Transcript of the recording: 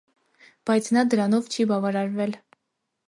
Բայց նա դրանով չի բավարարվել։